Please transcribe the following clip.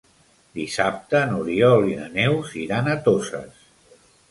Dissabte n'Oriol i na Neus iran a Toses.